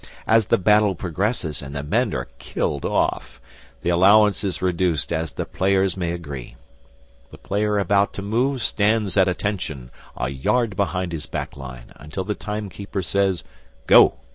As the battle progresses and the men are killed off, the allowance is reduced as the players may agree. The player about to move stands at attention a yard behind his back line until the timekeeper says "Go."